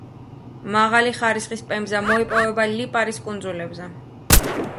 მაღალი ხარისხის პემზა მოიპოვება ლიპარის კუნძულებზე.